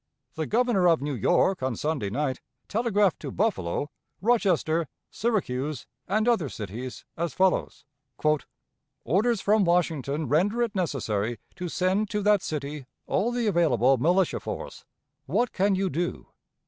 The Governor of New York on Sunday night telegraphed to Buffalo, Rochester, Syracuse, and other cities, as follows: "Orders from Washington render it necessary to send to that city all the available militia force. What can you do?